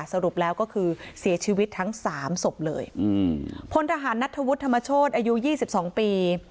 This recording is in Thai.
สรุปแล้วก็คือเสียชีวิตทั้งสามศพเลยอืมพลทหารนัทธวุฒิธรรมโชธอายุยี่สิบสองปี